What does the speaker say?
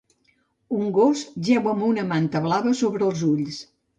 Un gos jeu amb una manta blava sobre els ulls.